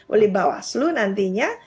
oleh bawah selu nantinya